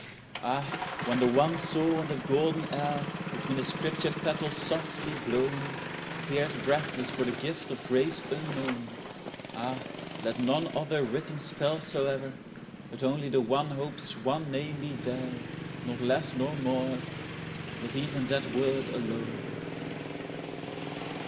Ah ! when the wan soul in that golden air Between the scriptured petals softly blown Peers breathless for the gift of grace unknown, â Ah ! let none other written spell soe'er But only the one Hope's one name be there, â Not less nor more, but even that word alone.